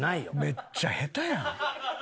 めっちゃ下手やん。